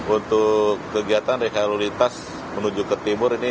untuk kegiatan rekaya lalu lintas menuju ke timur ini